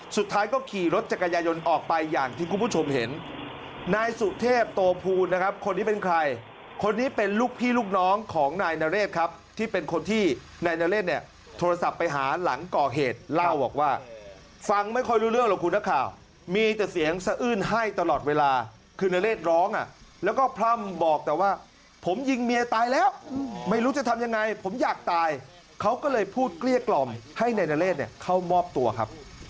นายนาเรศเนี่ยโทรศัพท์ไปหาหลังก่อเหตุเล่าออกว่าฟังไม่ค่อยรู้เรื่องหรอกคุณนักข่าวมีแต่เสียงสะอื้นไห้ตลอดเวลาคืนนาเรศร้องอ่ะแล้วก็พร่ำบอกแต่ว่าผมยิงเมียตายแล้วไม่รู้จะทำยังไงผมอยากตายเขาก็เลยพูดเกลี้ยกล่อมให้นายนาเรศเข้ามอบตัวครับ